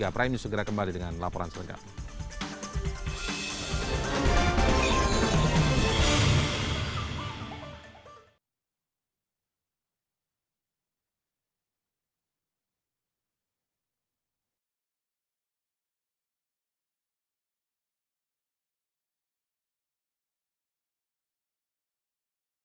prime news segera kembali dengan laporan selanjutnya